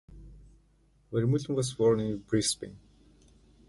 Vermeulen was born in Brisbane.